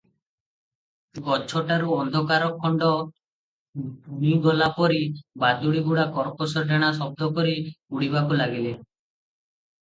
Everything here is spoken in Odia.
ଗଛଟାରୁ ଅନ୍ଧକାରଖଣ୍ତ ବୁଣିଗଲା ପରି ବାଦୁଡ଼ିଗୁଡ଼ା କର୍କଶ ଡେଣା ଶବ୍ଦ କରି ଉଡ଼ିବାକୁ ଲାଗିଲେ ।